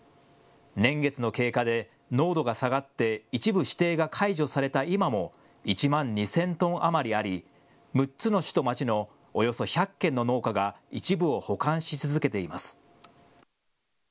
年月の経過で濃度が下がって一部指定が解除された今も１万２０００トン余りあり６つの市と町のおよそ１００軒の農家が一部を保管し続けています。